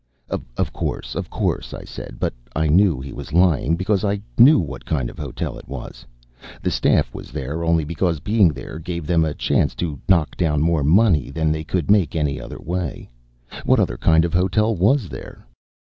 "Of course, of course," I said. But I knew he was lying, because I knew what kind of hotel it was. The staff was there only because being there gave them a chance to knock down more money than they could make any other way. What other kind of hotel was there?